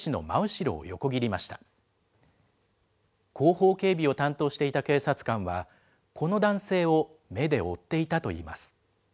後方警備を担当していた警察官は、この男性を目で追っていたといいます。